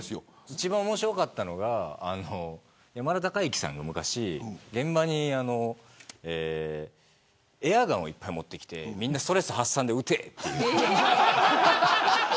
一番面白かったのが山田孝之さんが昔、現場にエアガンをいっぱい持ってきてみんなストレス発散で撃てって。